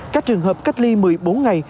các trường hợp cách ly một mươi bốn ngày